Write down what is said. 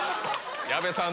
矢部さん